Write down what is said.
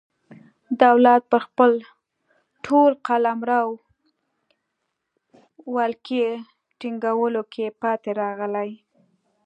دولت پر خپل ټول قلمرو ولکې ټینګولو کې پاتې راغلی.